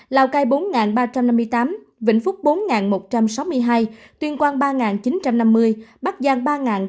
lào cai bốn ba trăm năm mươi tám vĩnh phúc bốn một trăm sáu mươi hai tuyên quang ba chín trăm năm mươi bắc giang ba tám trăm năm mươi ba